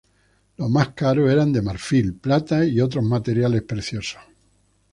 Los más caros eran de marfil, plata, y otros materiales preciosos.